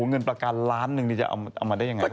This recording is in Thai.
เงินประกันล้านหนึ่งนี่จะเอามาได้ยังไง